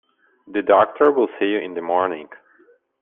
The doctor will see you in the morning.